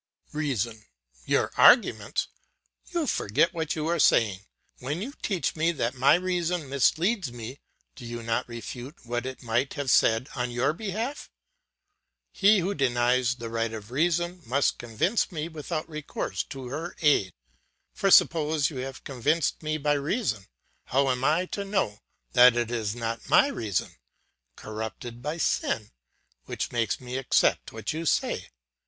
"REASON: Your arguments! You forget what you are saying. When you teach me that my reason misleads me, do you not refute what it might have said on your behalf? He who denies the right of reason, must convince me without recourse to her aid. For suppose you have convinced me by reason, how am I to know that it is not my reason, corrupted by sin, which makes me accept what you say?